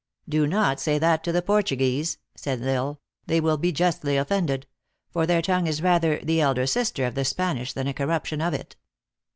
" Do not say that to the Portuguese," said L Isle. "They will be justly offended; for their tongue is rather the elder sister of the Spanish than a corruption of it."